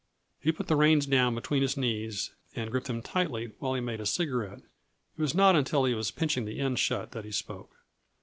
He put the reins down between his knees and gripped them tightly while he made a cigarette. It was not until he was pinching the end shut that he spoke.